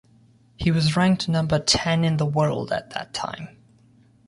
He was ranked number ten in the world at that time.